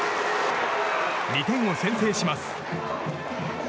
２点を先制します。